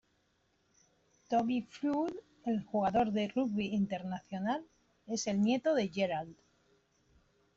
Toby Flood, el jugador de rugby internacional, es el nieto de Gerald.